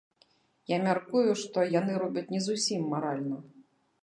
Я мяркую, што яны робяць не зусім маральна.